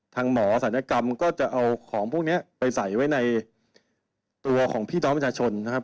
หมอศัลยกรรมก็จะเอาของพวกนี้ไปใส่ไว้ในตัวของพี่น้องประชาชนนะครับ